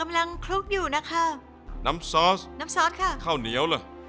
อะไรเนี่ย